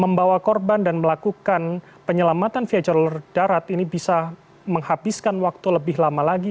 membawa korban dan melakukan penyelamatan via jalur darat ini bisa menghabiskan waktu lebih lama lagi